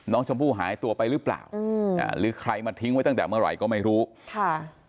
น้องชมพู่หายตัวไปหรือเปล่าอืมอ่าหรือใครมาทิ้งไว้ตั้งแต่เมื่อไหร่ก็ไม่รู้ค่ะ